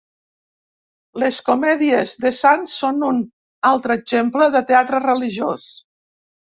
Les comèdies de sants són un altre exemple de teatre religiós.